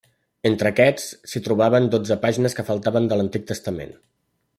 Entre aquests s'hi trobaven dotze pàgines que faltaven de l'Antic Testament.